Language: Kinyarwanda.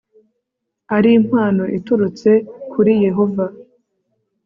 ari impano iturutse kuri yehova